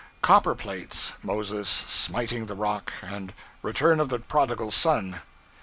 Copper plates, Moses Smiting the Rock, and Return of the Prodigal Son.